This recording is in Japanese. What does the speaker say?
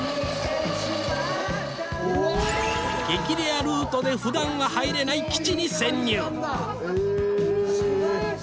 激レアルートでふだんは入れない基地に潜入！